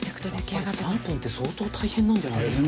やっぱり３分って相当大変なんじゃないですか？